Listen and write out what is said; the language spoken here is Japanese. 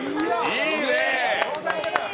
いいねぇ。